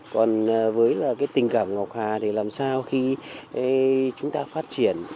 còn với tình cảm ngọc hà để làm sao khi chúng ta phát triển